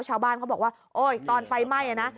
ชาวบ้านเขาบอกว่าโอ๊ยตอนไฟไหม้นะ